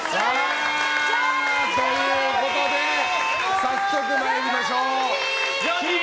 ということで早速参りましょう。